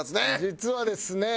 実はですね